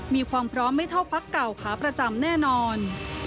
มีความพร้อมไม่เท่าพักเก่าขาประจำแน่นอน